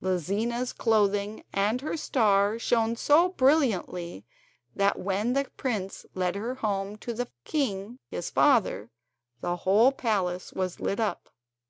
Lizina's clothing and her star shone so brilliantly that when the prince led her home to the king, his father, the whole palace was lit up.